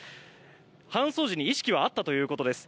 搬送時に意識はあったということです。